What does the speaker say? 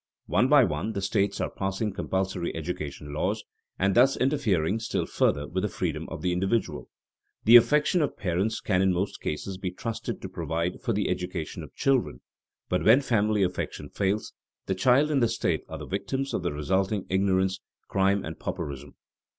One by one the states are passing compulsory education laws, and thus interfering still further with the freedom of the individual. The affection of parents can in most cases be trusted to provide for the education of children, but when family affection fails, the child and the state are the victims of the resulting ignorance, crime, and pauperism.